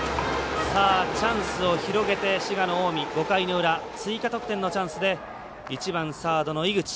チャンスを広げて滋賀の近江５回の裏、追加得点のチャンスで１番サードの井口。